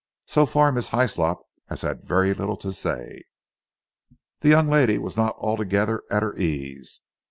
So far, Miss Hyslop has had very little to say." The young lady was not altogether at her ease.